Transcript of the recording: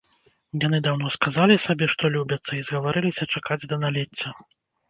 Яны даўно сказалі сабе, што любяцца, і згаварыліся чакаць да налецця.